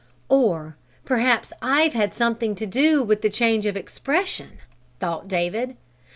"Or perhaps I've had something to do with the change of expression!" thought David.